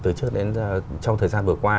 từ trước đến trong thời gian vừa qua